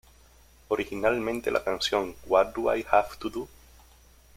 Originalmente la canción What Do I Have to Do?